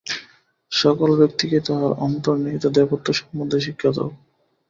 সকল ব্যক্তিকেই তাহার অন্তর্নিহিত দেবত্ব সম্বন্ধে শিক্ষা দাও।